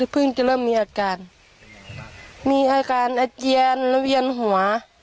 เพิ่งจะเริ่มมีอาการมีอาการอาเจียนแล้วเวียนหัว